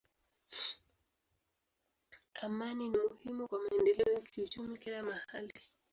Amani ni muhimu kwa maendeleo ya uchumi kila mahali.